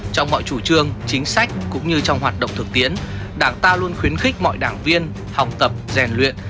trong mọi chủ trương chính sách cũng như trong hoạt động thực tiễn đảng ta luôn khuyến khích mọi đảng viên học tập rèn luyện